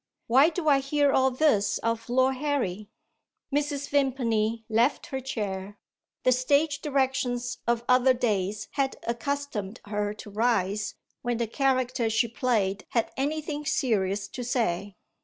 "Why do I hear all this of Lord Harry?" Mrs. Vimpany left her chair. The stage directions of other days had accustomed her to rise, when the character she played had anything serious to say.